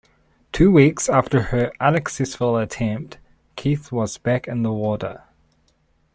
Two weeks after her unsuccessful attempt, Keith was back in the water.